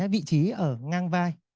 vị trí ở ngang vai